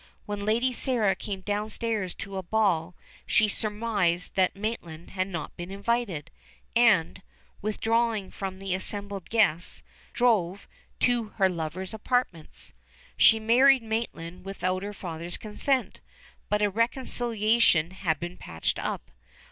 When Lady Sarah came downstairs to a ball she surmised that Maitland had not been invited, and, withdrawing from the assembled guests, drove to her lover's apartments. She married Maitland without her father's consent, but a reconciliation had been patched up.